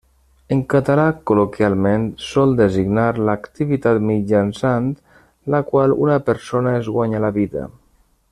En català, col·loquialment, sol designar l'activitat mitjançant la qual una persona es guanya la vida.